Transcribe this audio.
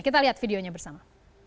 kita lihat videonya bersama